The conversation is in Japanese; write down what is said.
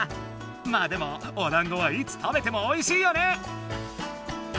まあでもおだんごはいつ食べてもおいしいよね！